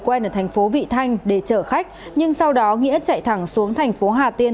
quen ở thành phố vị thanh để chở khách nhưng sau đó nghĩa chạy thẳng xuống thành phố hà tiên